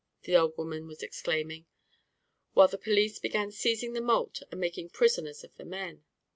the old woman was exclaiming, while the police began seizing the malt and making prisoners of the men.